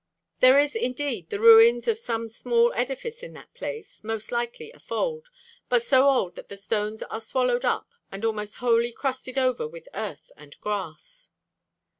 There is indeed the ruins of some small edifice in that place, most likely a fold, but so old that the stones are swallowed up, and almost wholly crusted over with earth and grass.'